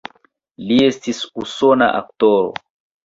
Li estis usona aktoro.